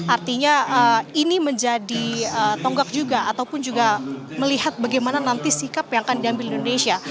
artinya ini menjadi tonggak juga ataupun juga melihat bagaimana nanti sikap yang akan diambil indonesia